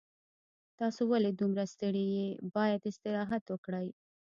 تاسو ولې دومره ستړي یې باید استراحت وکړئ